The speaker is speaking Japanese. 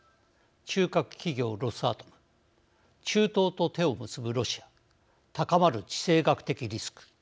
中核企業ロスアトム中東と手を結ぶロシア高まる地政学的リスク。